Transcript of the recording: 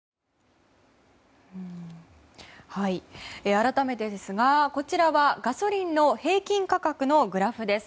改めてですがこちらはガソリンの平均価格のグラフです。